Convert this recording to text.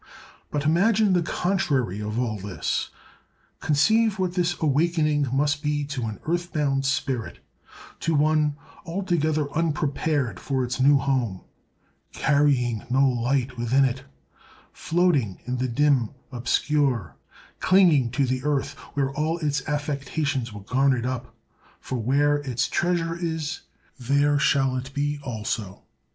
But imagine the contrary of all this. Conceive what this awakening must be to an earth bound spirit—to one altogether unprepared for its new home—carrying no light within it—floating in the dim obscure—clinging to the earth, where all its affections were garnered up: for where its treasure is, there shall it be also.